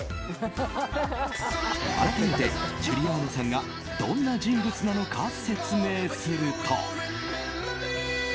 改めて、ジュリアーノさんがどんな人物なのか説明すると。